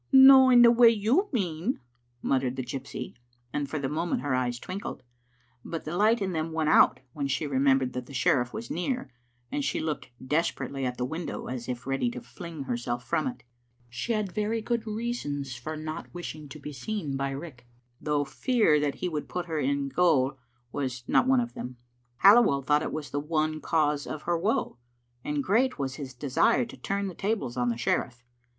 " No in the way you mean," muttered the gypsy, and for the moment her eyes twinkled. But the light in them went out when she remembered that the sherifiE was near, and she looked desperately at the window as if ready to fling herself from it. She had very good reasons for not wishing to be seen by Riach, though fear that he would put her in gaol was not one of them. Halliwell thought it was the one cause of her woe, and great was his desire to turn the tables on the sherifiE.